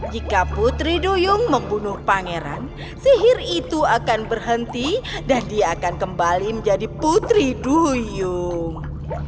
jika putri duyung membunuh pangeran sihir itu akan berhenti dan dia akan kembali menjadi putri duyung